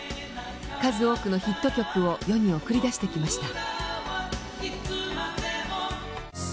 数多くのヒット曲を世に送り出してきました。